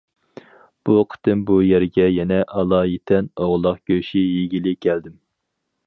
بۇ قېتىم بۇ يەرگە يەنە ئالايىتەن ئوغلاق گۆشى يېگىلى كەلدىم.